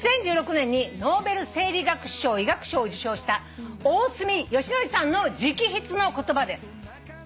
２０１６年にノーベル生理学賞医学賞を受賞した大隅良典さんの直筆の言葉です。